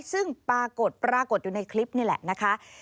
ซึ่งปรากฏอยู่ในคลิปนี่แหละนะคะ